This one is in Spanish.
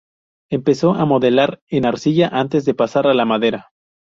Empezó a modelar en arcilla antes de pasar a la madera.